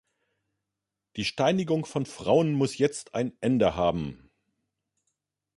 Die Steinigung von Frauen muss jetzt ein Ende haben.